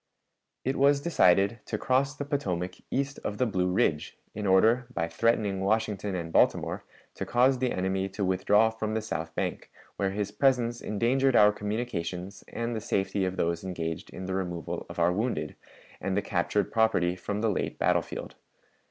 It was decided to cross the Potomac east of the Blue Ridge, in order, by threatening Washington and Baltimore, to cause the enemy to withdraw from the south bank, where his presence endangered our communications and the safety of those engaged in the removal of our wounded and the captured property from the late battle field.